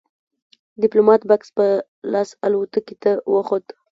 ديپلومات بکس په لاس الوتکې ته وخوت.